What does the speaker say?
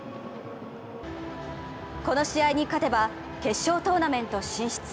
この試合に勝てば、決勝トーナメント進出。